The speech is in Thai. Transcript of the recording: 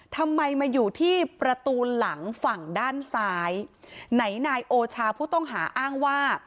ทำไมมาอยู่ที่ประตูหลังฝั่งด้านซ้ายไหนนายโอชาผู้ต้องหาอ้างว่า